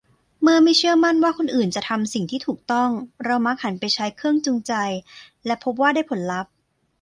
เมื่อไม่เชื่อมั่นว่าคนอื่นจะทำสิ่งที่ถูกต้อง เรามักหันไปใช้ 'เครื่องจูงใจ' และพบว่าได้ผลลัพธ์